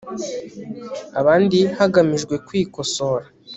abandi hagamijwe kwikosora